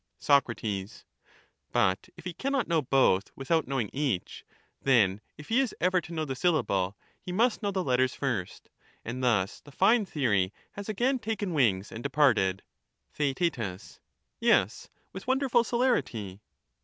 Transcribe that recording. Sac, But if he cannot know both without knowing each, then if he is ever to know the syllable, he must know the letters first ; and thus the fine theory has again taken wings and departed. Theaet, Yes, with wonderful celerity.